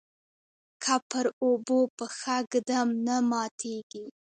که پر اوبو پښه ږدم نه ماتیږي.